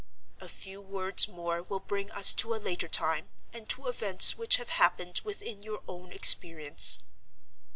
"A few words more will bring us to a later time, and to events which have happened within your own experience.